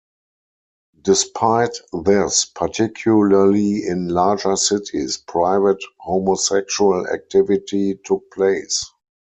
Despite this, particularly in larger cities, private homosexual activity took place.